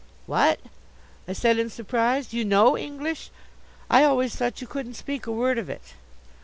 "What!" I said in surprise. "You know English? I always thought you couldn't speak a word of it."